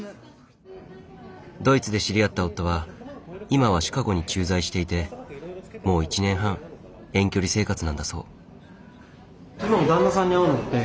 ドイツで知り合った夫は今はシカゴに駐在していてもう１年半遠距離生活なんだそう。